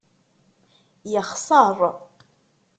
Yexṣeṛ.